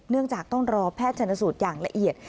จากต้องรอแพทย์ชนสูตรอย่างละเอียด